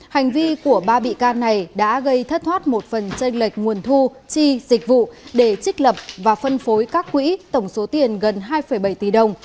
hành vi của ba bị can này đã gây thất thoát một phần tranh lệch nguồn thu chi dịch vụ để trích lập và phân phối các quỹ tổng số tiền gần hai bảy tỷ đồng